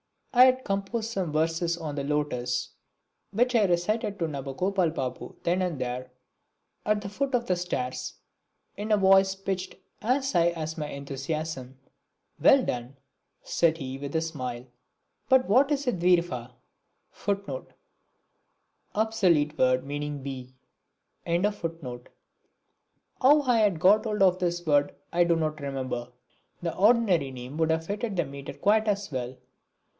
I had composed some verses on The Lotus which I recited to Nabagopal Babu then and there, at the foot of the stairs, in a voice pitched as high as my enthusiasm. "Well done!" said he with a smile. "But what is a dwirepha?" How I had got hold of this word I do not remember. The ordinary name would have fitted the metre quite as well.